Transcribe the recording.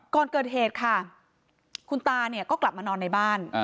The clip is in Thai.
ก่อนเกิดเหตุค่ะคุณตาเนี่ยก็กลับมานอนในบ้าน